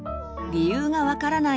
理由が分からない